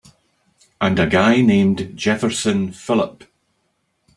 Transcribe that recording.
And a guy named Jefferson Phillip.